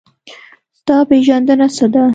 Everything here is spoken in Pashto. ستا پېژندنه څه ده؟